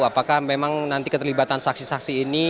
apakah memang nanti keterlibatan saksi saksi ini